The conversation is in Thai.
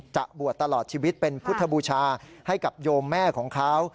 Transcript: จะบวชตลอดชีวิตเป็นพุทธบูชาให้กับโยมแม่ของเขา